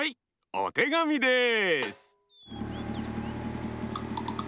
おてがみです！